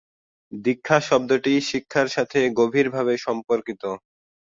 দীক্ষা শব্দটি শিক্ষার সাথে গভীর ভাবে সম্পর্কিত।